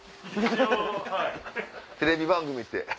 テレビ番組って。